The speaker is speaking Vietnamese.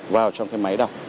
vào trong cái máy đọc